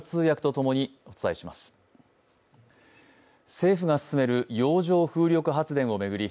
政府が進める洋上風力発電を巡り